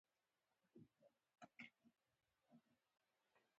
ما پر هغه اصل ډېر ټينګار وکړ.